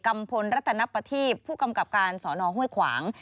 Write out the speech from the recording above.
กัมพลรัฐนปฏิผู้กำกับการสฮห้วยขวาง